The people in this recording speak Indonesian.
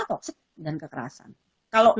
toxic dan kekerasan kalau